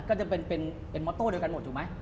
ก็จะเป็นมอโต้ด้วยกันหมดถูกไหม